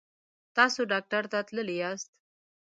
تاسو ډاکټر ته تللي یاست؟